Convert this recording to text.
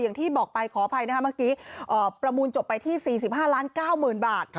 อย่างที่บอกไปขออภัยนะคะเมื่อกี้ประมูลจบไปที่๔๕๙๐๐๐บาท